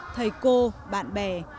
thầy cô bạn bè